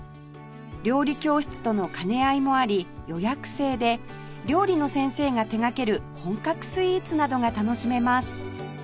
料理教室との兼ね合いもあり予約制で料理の先生が手がける本格スイーツなどが楽しめます